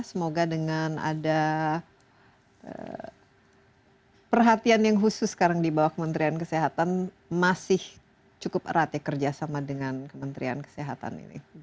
semoga dengan ada perhatian yang khusus sekarang di bawah kementerian kesehatan masih cukup erat ya kerjasama dengan kementerian kesehatan ini